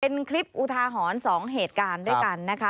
เป็นคลิปอุทาหรณ์๒เหตุการณ์ด้วยกันนะคะ